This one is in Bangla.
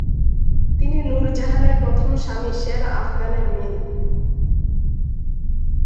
তিনি নূর জাহানের প্রথম স্বামী শের আফগানের মেয়ে।